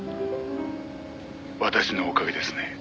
私のおかげですね」